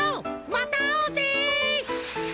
またあおうぜ！